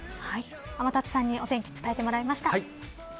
天達さんに、お天気伝えてもらいました。